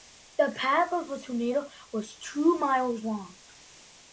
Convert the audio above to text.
The path of the tornado was two miles long.